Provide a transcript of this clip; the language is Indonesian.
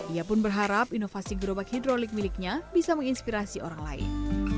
ia pun berharap inovasi gerobak hidrolik miliknya bisa menginspirasi orang lain